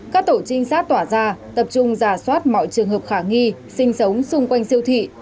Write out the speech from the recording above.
các tổ trinh sát tỏa ra tập trung giả soát mọi trường hợp khả nghi sinh sống xung quanh siêu thị